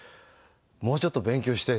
「もうちょっと勉強して！」